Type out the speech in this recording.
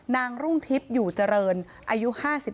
รุ่งทิพย์อยู่เจริญอายุ๕๓